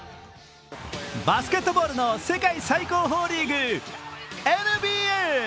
バスケットボールの世界最高峰リーグ、ＮＢＡ。